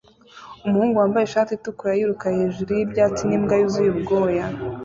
Umuhungu wambaye ishati itukura yiruka hejuru y'ibyatsi n'imbwa yuzuye ubwoya